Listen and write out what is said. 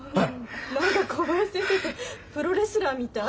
何か小林先生ってプロレスラーみたい。